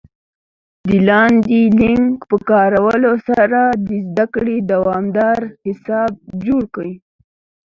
د لاندې لینک په کارولو سره د زده کړې دوامدار حساب جوړ کړئ